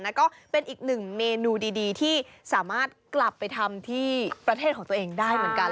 ก็เป็นอีกหนึ่งเมนูดีที่สามารถกลับไปทำที่ประเทศของตัวเองได้เหมือนกัน